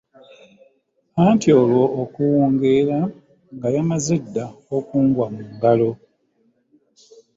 Anti olwo okuwungera nga yamaze dda okungwa mu ngalo.